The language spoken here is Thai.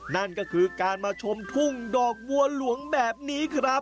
นั่นก็คือการมาชมทุ่งดอกบัวหลวงแบบนี้ครับ